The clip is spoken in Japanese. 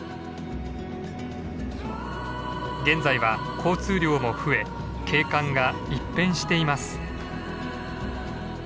現在は交通量も増え景観が一変しています。